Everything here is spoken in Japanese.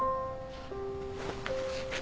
あっ。